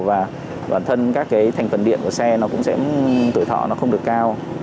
và bản thân các cái thành phần điện của xe nó cũng sẽ tuổi thọ nó không được cao